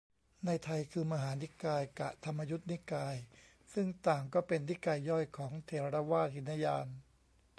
ในไทย คือ มหานิกาย กะ ธรรมยุตินิกาย ซึ่งต่างก็เป็นนิกายย่อยของ เถรวาท หินยาน